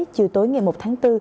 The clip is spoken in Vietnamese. chiều tối ngày một tháng bốn